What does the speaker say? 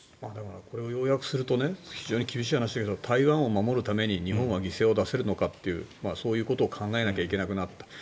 これを要約すると非常に厳しい話だけど台湾を守るために日本は犠牲を出せるのかというそういうことを考えないといけなくなった。